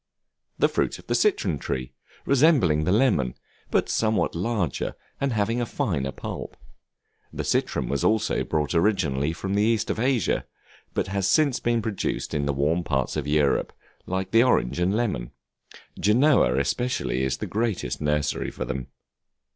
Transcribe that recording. The fruit of the Citron Tree, resembling the lemon, but somewhat larger, and having a finer pulp. The citron was also brought originally from the East of Asia, but has since been produced in the warm parts of Europe, like the orange and lemon; Genoa especially is the greatest nursery for them.